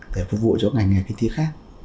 để phục vụ cho ngành nghề kinh tế khác